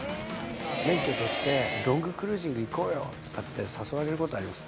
免許取って、ロングクルージング行こうよって誘われることあります。